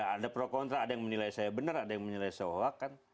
ada pro kontra ada yang menilai saya benar ada yang menilai soak kan